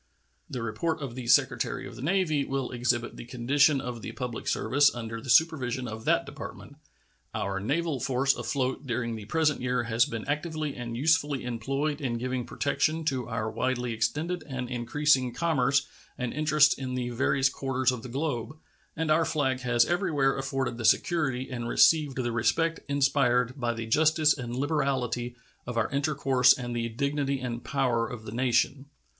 The report of the Secretary of the Navy will exhibit the condition of the public service under the supervision of that Department. Our naval force afloat during the present year has been actively and usefully employed in giving protection to our widely extended and increasing commerce and interests in the various quarters of the globe, and our flag has everywhere afforded the security and received the respect inspired by the justice and liberality of our intercourse and the dignity and power of the nation.